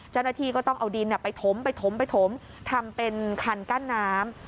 เจ้าหน้าที่ก็ต้องเอาดินไปถมไปถมไปถมทำเป็นคันกั้นน้ำ